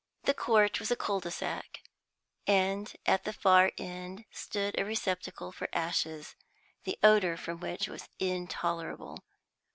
The Court was a cul de sac, and at the far end stood a receptacle for ashes, the odour from which was intolerable.